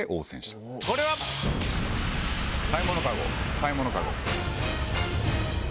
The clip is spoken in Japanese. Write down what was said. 買い物カゴ。